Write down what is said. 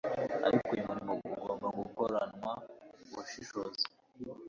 Ariko uyu murimo ugomba gukoranwa ubushishozi